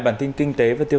bản tin kinh tế